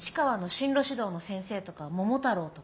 進路指導の先生とか桃太郎が？